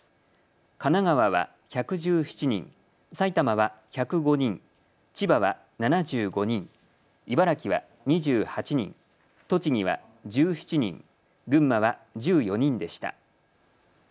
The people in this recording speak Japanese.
神奈川は１１７人、埼玉は１０５人、千葉は７５人、茨城は２８人、栃木は１７人、群馬は１４人でした。